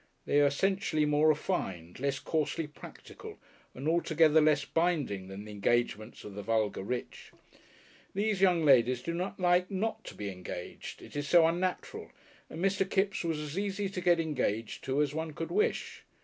They are essentially more refined, less coarsely practical, and altogether less binding than the engagements of the vulgar rich. These young ladies do not like not to be engaged it is so unnatural; and Mr. Kipps was as easy to get engaged to as one could wish.